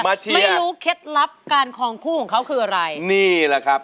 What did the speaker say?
ไม่รู้เคล็ดลับการคองคู่ของเขาคืออะไร